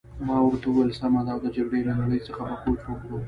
ما ورته وویل: سمه ده، او د جګړې له نړۍ څخه به کوچ وکړو.